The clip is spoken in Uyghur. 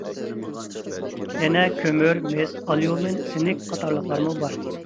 يەنە كۆمۈر، مىس، ئاليۇمىن، سىنك قاتارلىقلارمۇ بار.